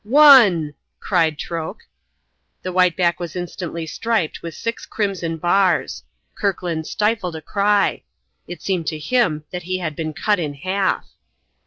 "Wonn!" cried Troke. The white back was instantly striped with six crimson bars. Kirkland stifled a cry. It seemed to him that he had been cut in half.